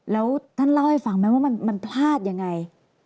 แล้วท่านเล่าให้ฟังไหมว่ามันพลาดยังไง